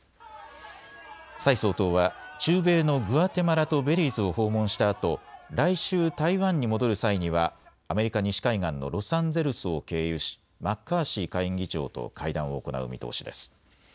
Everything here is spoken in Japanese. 蔡総統は中米のグアテマラとベリーズを訪問したあと来週、台湾に戻る際にはアメリカ西海岸のロサンゼルスを経由しマッカーシー下院議長と会談を行う見通しです。